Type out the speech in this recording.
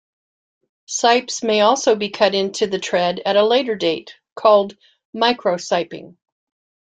Sipes may also be cut into the tread at a later date, called "microsiping".